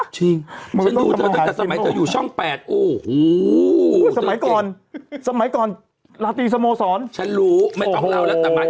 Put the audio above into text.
ฉันรู้ไม่ต้องเล่าแต่หมายถึงว่า